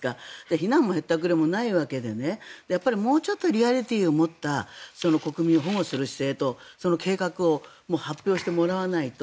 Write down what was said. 避難もへったくれもないわけでもうちょっとリアリティーを持った国民を保護する姿勢と計画を発表してもらわないと。